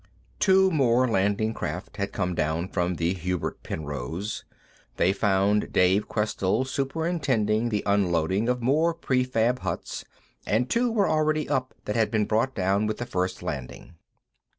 Two more landing craft had come down from the Hubert Penrose; they found Dave Questell superintending the unloading of more prefab huts, and two were already up that had been brought down with the first landing.